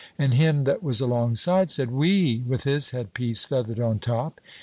And him that was alongside said, 'Oui,' with his headpiece feathered on top.